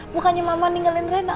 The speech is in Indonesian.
bukannya mama ninggalin reina